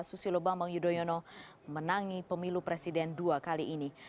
susilo bambang yudhoyono menangi pemilu presiden dua kali ini